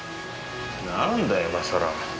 なんだよ今さら。